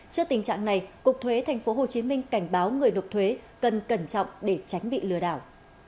trước tình trạng này cục thuế tp hcm cảnh báo người nộp thuế cần cẩn trọng để tránh bị lừa đảo